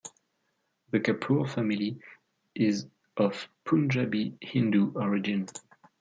The Kapoor family is of Punjabi Hindu origin.